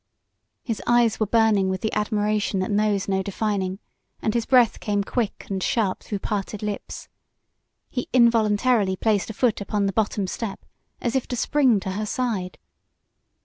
His eyes were burning with the admiration that knows no defining, and his breath came quick and sharp through parted lips. He involuntarily placed a foot upon the bottom step as if to spring to her side.